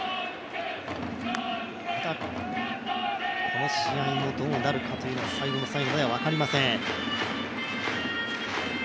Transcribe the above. この試合がどうなるかというのは最後の最後まで分かりません。